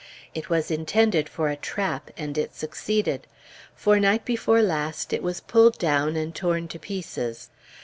It was intended for a trap; and it succeeded. For night before last, it was pulled down and torn to pieces.